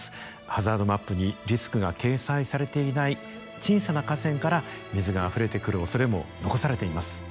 ハザードマップにリスクが掲載されていない小さな河川から水があふれてくるおそれも残されています。